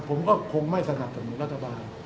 ผมก็คงไม่สนับสนุนรัฐบาล